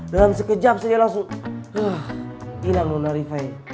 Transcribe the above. dalam sekejap saja langsung hilang nona rifai